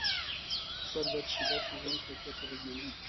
د سردرد شدت د ژوند کیفیت اغېزمنوي.